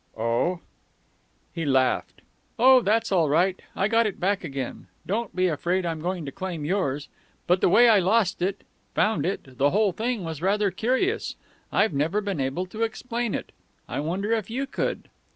"Oh?..." He laughed. "Oh, that's all right I got it back again don't be afraid I'm going to claim yours. But the way I lost it found it the whole thing was rather curious. I've never been able to explain it. I wonder if you could?"